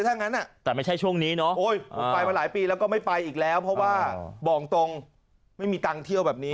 ไปมาหลายปีแล้วก็ไม่ไปอีกแล้วเพราะว่าบอกตรงไม่มีตังค์เที่ยวแบบนี้